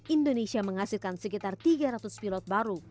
indonesia menghasilkan sekitar tiga ratus pilot baru